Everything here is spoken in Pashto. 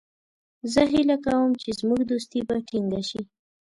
زه هیله کوم چې زموږ دوستي به ټینګه شي.